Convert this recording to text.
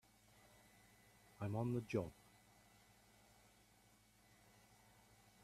I'm on the job!